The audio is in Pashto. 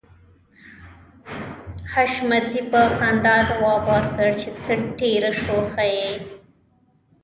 حشمتي په خندا ځواب ورکړ چې ته ډېره شوخه يې